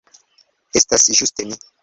Estas ĝuste mi.